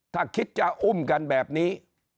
ถ้าคิดจะอุ้มกันแบบนี้